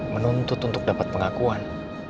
menuntut untuk dapat pengakuan